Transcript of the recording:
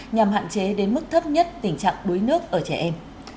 nhằm hạn chế đến mức thấp nhất tình trạng đuối nước ở trẻ em